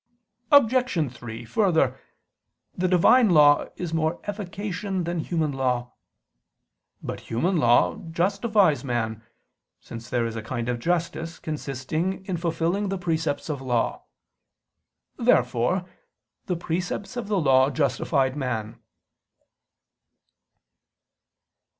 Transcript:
Obj. 3: Further, the Divine law is more efficacious than human law. But human law justifies man; since there is a kind of justice consisting in fulfilling the precepts of law. Therefore the precepts of the Law justified man.